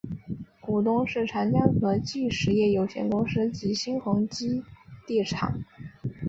股东是长江和记实业有限公司及新鸿基地产。